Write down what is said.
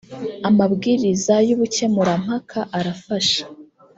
amabwiriza yubukemurampaka arafasha.